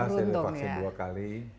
saya divaksin dua kali